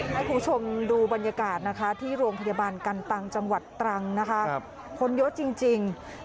ให้ผู้ชมดูบรรยากาศที่โรงพยาบาลกันตังจังหวัดตรังคนโยชน์จริง